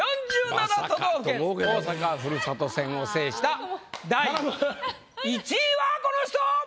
都道府県大阪ふるさと戦を制した第１位はこの人！